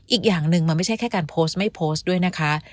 อีกอย่างหนึ่งมันไม่ใช่แค่การโพสต์ไม่โพสต์ด้วยนะคะ